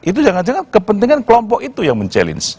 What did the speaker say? itu jangan jangan kepentingan kelompok itu yang men challenge